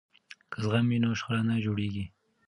که زغم وي نو شخړه نه جوړیږي.